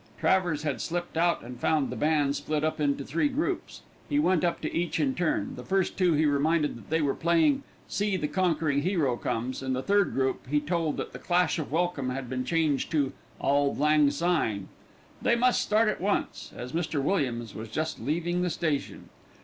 Travers had slipped out and found the band split up into three groups. He went up to each in turn; the first two he reminded that they were playing "See the Conquering Hero Comes," and the third group he told that the clash of welcome had been changed to "Auld Lang Syne." They must start at once, as Mr. Williams was just leaving the station.